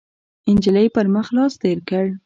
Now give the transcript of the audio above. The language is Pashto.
، نجلۍ پر مخ لاس تېر کړ،